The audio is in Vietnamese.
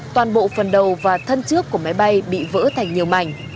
toàn bộ phần đầu và thân trước của máy bay bị vỡ thành nhiều mảnh